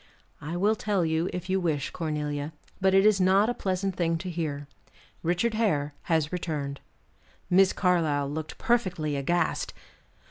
"I will tell you, if you wish, Cornelia, but it is not a pleasant thing to hear. Richard Hare has returned." Miss Carlyle looked perfectly aghast.